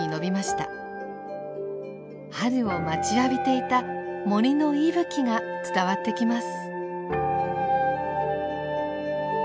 春を待ちわびていた森の息吹が伝わってきます。